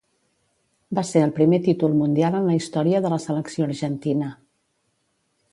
Va ser el primer títol mundial en la història de la selecció argentina.